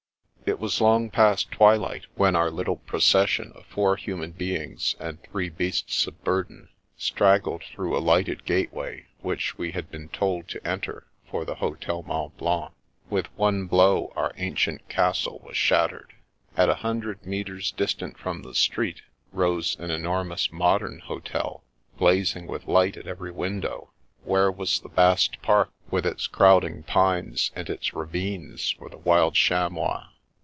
It was long past twilight when our little procession of four human beings and three beasts of burden straggled through a lighted gateway which we had been told to enter for the Hotel Mont Blanc. With one blow our ancient castle was shattered. At a hun dred metres distant from the street rose an enormous modern hotel, blazing with light at every window. Where was the vast park with its crowding pines 215 21 6 The Princess Passes and its ravines for the wild chamois?